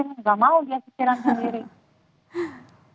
nggak mau dia sisiran sendiri